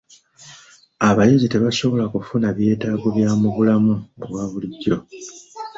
Abayizi tebasobola kufuna byetaago bya mu bulamu obwa bulijjo.